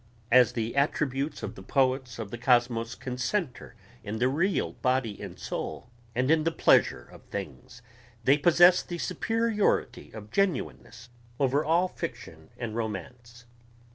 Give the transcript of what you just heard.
As the attributes of the poets of the kosmos concentre in the real body and soul and in the pleasure of things they possess the superiority of genuineness over all fiction and romance.